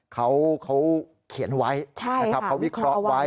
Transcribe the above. เขาเขียนไว้นะครับเขาวิเคราะห์ไว้